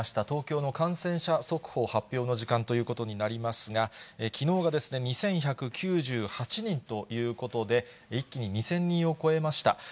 東京の感染者速報発表の時間ということになりますが、きのうがですね、２１９８人ということで、一気に２０００人を超えました。